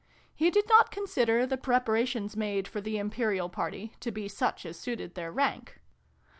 He did not consider the preparations, made for the Imperial party, to be such as suited their rank.